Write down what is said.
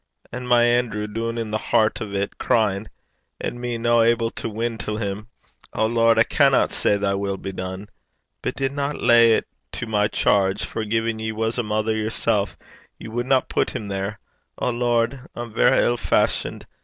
And my Anerew doon i' the hert o' 't cryin'! And me no able to win till him! O Lord! I canna say thy will be done. But dinna lay 't to my chairge; for gin ye was a mither yersel' ye wadna pit him there. O Lord! I'm verra ill fashioned.